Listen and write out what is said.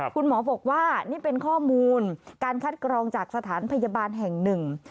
คุณหมอบอกว่านี่เป็นข้อมูลการคัดกรองจากสถานพยาบาลแห่งหนึ่ง